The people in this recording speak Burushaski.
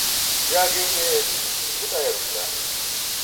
jaa ge giyayas buṭ ayarum bila